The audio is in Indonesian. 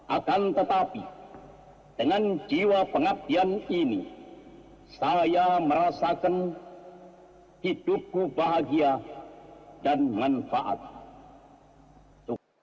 akan tetapi dengan jiwa pengabdian ini saya merasakan hidupku bahagia dan manfaat